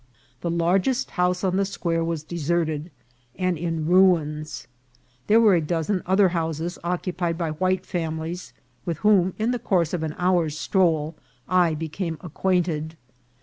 The largest house on the square was deserted and in ruins. There were a dozen other houses occupied by white families, with whom, in the course of an hour's stroll, I became acquainted.